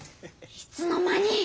いつの間に！